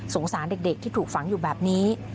สารเด็กที่ถูกฝังอยู่แบบนี้